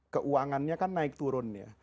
keuangannya kan naik turun ya